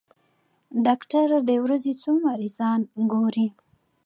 ډاکټر د ورځې څو مريضان ګوري؟